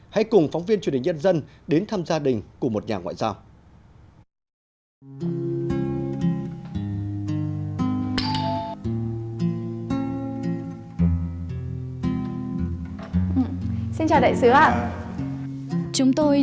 hãy cùng phóng viên truyền hình nhân dân đến thăm gia đình của một nhà ngoại giao